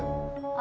あ